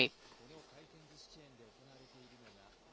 この回転ずしチェーンで行われているのが。